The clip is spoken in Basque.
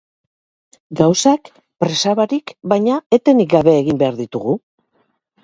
Gauzak presa barik, baina etenik gabe egin behar ditugu.